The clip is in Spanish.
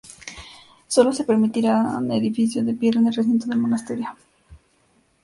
Sólo se permitían edificios de piedra en el recinto del monasterio.